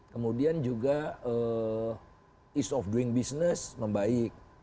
kemudian juga ease of doing business membaik